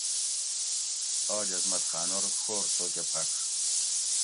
آج عظمت خانور ڛور سو کہ پھڛ